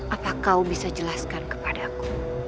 apa kau bisa jelaskan kepadaku